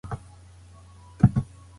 د لمر وړانګې په ورو ورو ورکېدې.